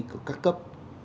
của các cấp